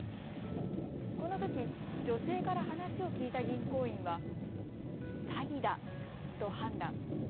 このとき女性から話を聞いた銀行員は詐欺だと判断。